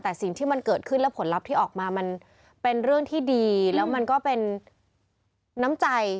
แต่สิ่งที่มันเกิดขึ้นและผลลัพธ์ที่ออกมามันเป็นเรื่องที่ดีแล้วมันก็เป็นน้ำใจ